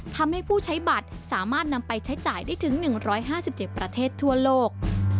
ทำให้ผู้ใช้บัตรสามารถนำไปใช้จ่ายได้ถึง๑๕๗ประเทศทั่วโลก